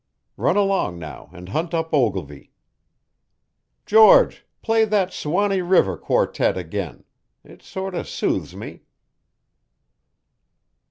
Run along now and hunt up Ogilvy. George, play that 'Suwannee River' quartet again. It sort o' soothes me."